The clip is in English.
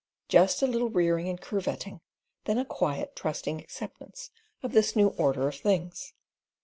Just a little rearing and curvetting, then a quiet, trusting acceptance of this new order of things.